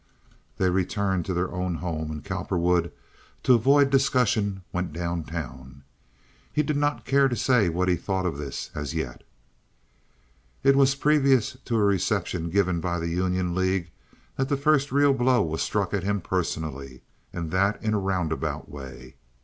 They returned to their own home, and Cowperwood to avoid discussion went down town. He did not care to say what he thought of this as yet. It was previous to a reception given by the Union League that the first real blow was struck at him personally, and that in a roundabout way.